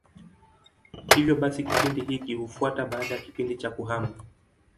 Hivyo basi kipindi hiki hufuata baada ya kipindi cha kuhama.